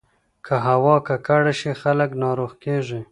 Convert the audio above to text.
که هوا ککړه شي، خلک ناروغ کېږي.